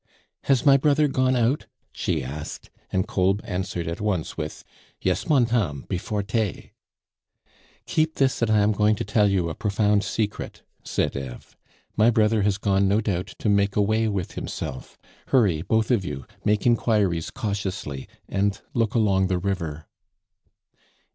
"Has my brother gone out?" she asked, and Kolb answered at once with, "Yes, Montame, pefore tay." "Keep this that I am going to tell you a profound secret," said Eve. "My brother has gone no doubt to make away with himself. Hurry, both of you, make inquiries cautiously, and look along the river."